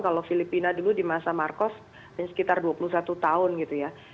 kalau filipina dulu di masa marcos hanya sekitar dua puluh satu tahun gitu ya